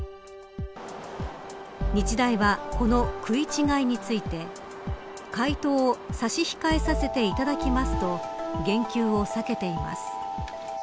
日大は、この食い違いについて回答を差し控えさせていただきますと言及を避けています。